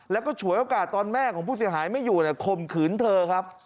แล้วก็ฉวยโอกาสตอนแม่ของผู้เสียหายไม่อยู่ข่มขืนเธอครับ